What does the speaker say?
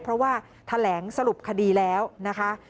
เพราะว่าแถลงสรุปคดีแล้วนะคะ